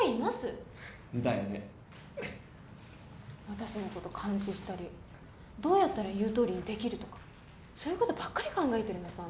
私のこと監視したりどうやったら言うとおりにできるとかそういうことばっかり考えてるんです